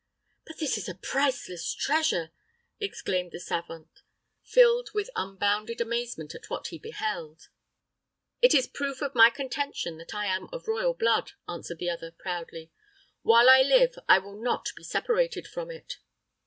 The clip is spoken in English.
"But this is a priceless treasure!" exclaimed the savant, filled with unbounded amazement at what he beheld. "It is proof of my contention that I am of royal blood," answered the other, proudly. "While I live I will not be separated from it."